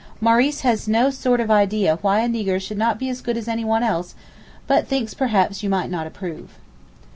Maurice has no sort of idea why a nigger should not be as good as anyone else, but thinks perhaps you might not approve.